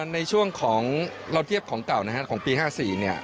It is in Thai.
ในช่วงของเราเทียบของเก่านะฮะของปี๕๔เนี่ย